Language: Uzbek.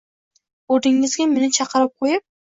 O’rningizga meni chiqarib qo’yib